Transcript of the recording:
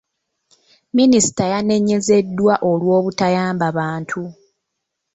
Minisita yanenyezzeddwa olw'obutayamba bantu.